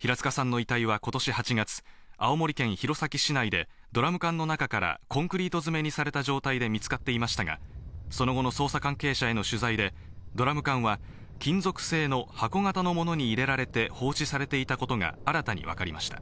平塚さんの遺体はことし８月、青森県弘前市内でドラム缶の中からコンクリート詰めにされた状態で見つかっていましたが、その後の捜査関係者への取材で、ドラム缶は金属製の箱型のものに入れられて放置されていたことが新たに分かりました。